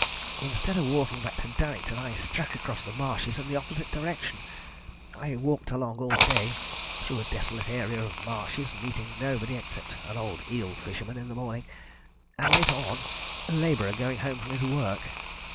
Instead of walking back to Durrington I struck across the marshes in the opposite direction. I walked along all day, through a desolate area of marshes, meeting nobody except an old eel fisherman in the morning, and, later on, a labourer going home from his work.